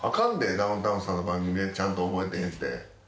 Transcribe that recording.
ダウンタウンさんの番組でちゃんと覚えてへんて。